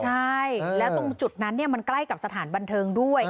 ใช่แล้วตรงจุดนั้นมันใกล้กับสถานบันเทิงด้วย